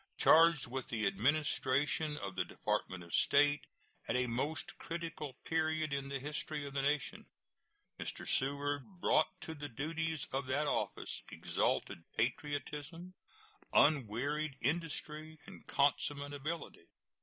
Charged with the administration of the Department of State at a most critical period in the history of the nation, Mr. Seward brought to the duties of that office exalted patriotism, unwearied industry, and consummate ability.